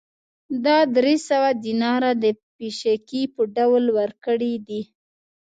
دا درې سوه دیناره د پېشکي په ډول ورکړي دي